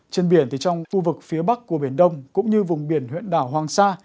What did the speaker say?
trên biển thì trong khu vực phía bắc của biển đông cũng như vùng biển huyện đảo hoàng sa